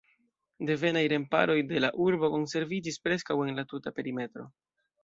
Devenaj remparoj de la urbo konserviĝis preskaŭ en la tuta perimetro.